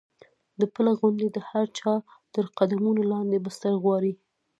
د پله غوندې د هر چا تر قدمونو لاندې بستر غواړي.